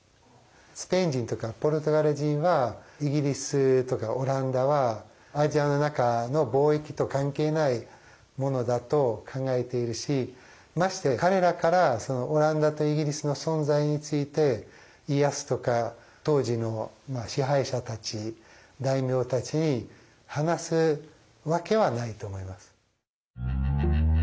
スペイン人とかポルトガル人はイギリスとかオランダはアジアの中の貿易と関係ないものだと考えているしまして彼らからそのオランダとイギリスの存在について家康とか当時の支配者たち大名たちに話すわけはないと思います。